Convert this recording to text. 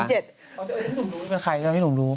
เป็นใครจ้ะพี่หนุ่มดู